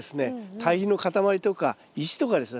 堆肥の塊とか石とかですね